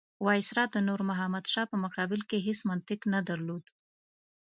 وایسرا د نور محمد شاه په مقابل کې هېڅ منطق نه درلود.